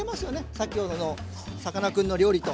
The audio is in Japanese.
先ほどのさかなクンの料理と。